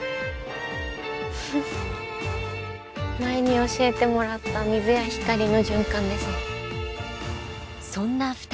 前に教えてもらった水や光の循環ですね。